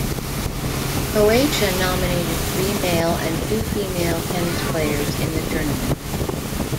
Croatia nominated three male and two female tennis players in the tournament.